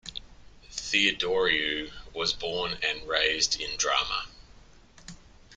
Theodoridou was born and raised in Drama.